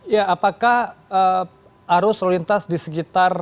ya apakah arus lelintas di sekitar